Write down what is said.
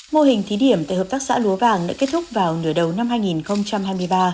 mô hình thí điểm tại hợp tác xã lúa vàng đã kết thúc vào nửa đầu năm hai nghìn hai mươi ba